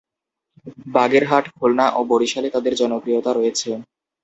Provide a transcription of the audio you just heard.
বাগেরহাট, খুলনা ও বরিশালে তাদের জনপ্রিয়তা রয়েছে।